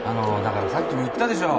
・さっきも言ったでしょう